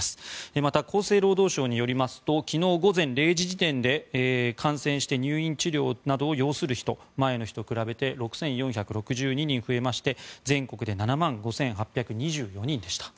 また、厚生労働省によりますと昨日午前０時時点で感染して入院治療などを要する人は前の日と比べて６４６２人増えまして全国で７万５８２４人でした。